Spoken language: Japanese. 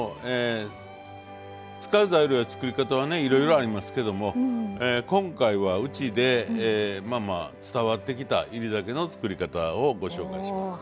使う材料や作り方はねいろいろありますけども今回はうちで伝わってきた煎り酒の作り方をご紹介します。